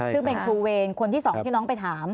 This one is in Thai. ซึ่งเป็นครูเวรคนที่๒ที่น้องไปถาม